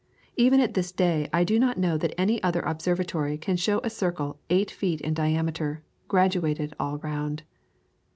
Even at this day I do not know that any other observatory can show a circle eight feet in diameter graduated all round.